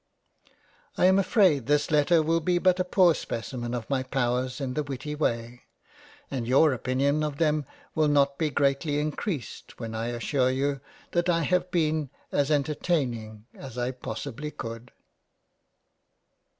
I am afraid this letter will be but a poor specimen of my Powers in the witty way ; and your opinion of them will not be greatly increased when I assure you that I have been as entertaining as I possibly could.